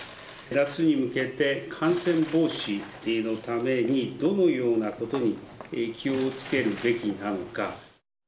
夏に向けて感染防止のために、どのようなことに気をつけるべきなのか。